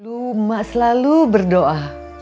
lu emak selalu berdoa